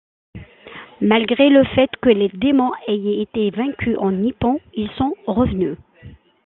Malgré le fait que les démons aient été vaincus en Nippon, ils sont revenus.